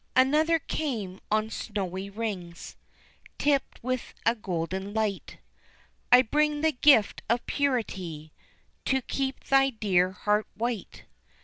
Another came on snowy wings, Tipped with a golden light, "I bring the gift of Purity To keep thy dear heart white."